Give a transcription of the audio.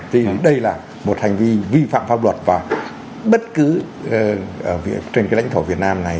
tuy rằng đây là một hành vi vi phạm pháp luật và bất cứ trên cái lãnh thổ việt nam này